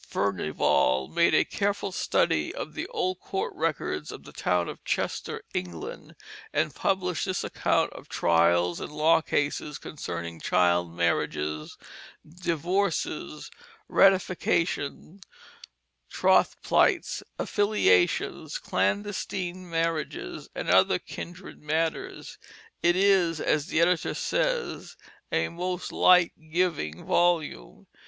Furnivall made a careful study of the old court records of the town of Chester, England, and published this account of trials and law cases concerning child marriages, divorces, ratifications, troth plights, affiliations, clandestine marriages, and other kindred matters. It is, as the editor says, a "most light giving" volume.